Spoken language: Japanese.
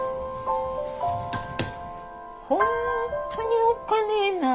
☎本当におっかねえの。